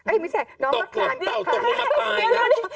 เอ้ยไม่ใช่น้องอย่างเงิน